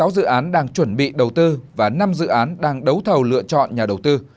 sáu dự án đang chuẩn bị đầu tư và năm dự án đang đấu thầu lựa chọn nhà đầu tư